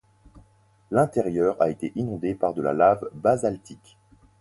L'intérieur a été inondé par de la lave basaltique.